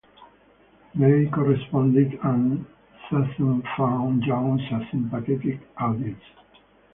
They corresponded, and Sassoon found Jones a sympathetic audience.